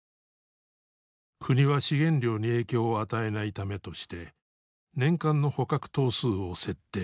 国は資源量に影響を与えないためとして年間の捕獲頭数を設定。